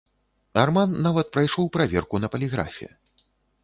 Арман нават прайшоў праверку на паліграфе.